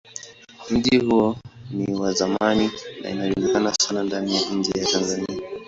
Mji huo ni wa zamani na ilijulikana sana ndani na nje ya Tanzania.